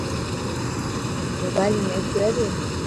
موبائل ۾ ميچ جوئي پيو.